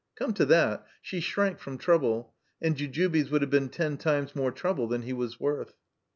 Come to that, she shrank from trouble, and Jujubes would have been ten times more trouble than he was worth.